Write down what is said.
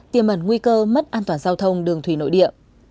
tiềm ẩn nguy cơ mất an toàn giao thông đường thủy nội địa